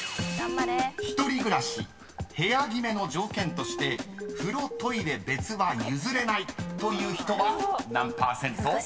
［１人暮らし部屋決めの条件として風呂・トイレ別は譲れないという人は何％？］